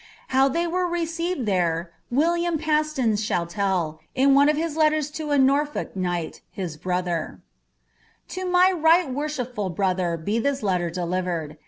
How they were received there, William Paston ' shall tell, in one of his letters to a Norfolk knight, his brother :— "To mj right worehipful brother be this lettnr delivered.